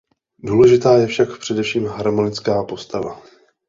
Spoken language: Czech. Důležitá je však především harmonická postava.